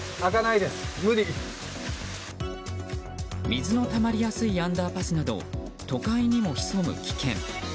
水のたまりやすいアンダーパスなど都会にも潜む危険。